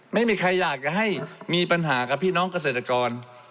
ไม่มีใครอยากจะให้มีปัญหากับพี่น้องเกษตรกร